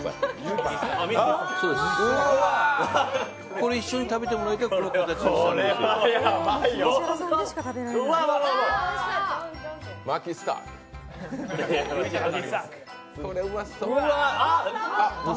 これ、一緒に食べてもらいたくて、この形にしました。